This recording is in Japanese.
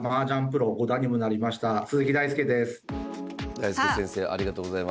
大介先生ありがとうございます。